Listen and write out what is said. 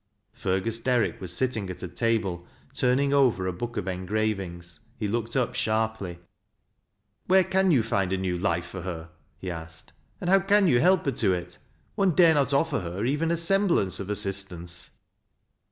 Fergus Derrick was sitting at a table turning over a book of engravings. He looked up sharply. " Where can you find a new life for her ?" he asked. " And how can you help her to it ? One dare not offer her even a semblance of assistance."